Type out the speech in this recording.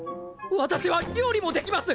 私は料理もできます！